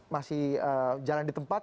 masih jalan di tempat